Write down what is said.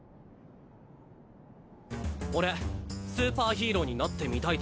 俺スーパーヒーローになってみたいと。